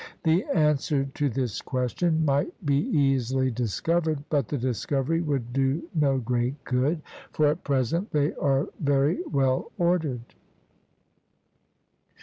The answer to this question might be easily discovered, but the discovery would do no great good, for at present they are very well ordered.